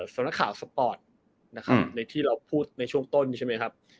สำนักข่าวสปอร์ตนะครับในที่เราพูดในช่วงต้นใช่ไหมครับ